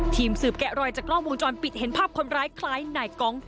ทีมสืบแกะรอยจากกล้องวงจรปิดเห็นภาพคนร้ายคล้ายนายกอง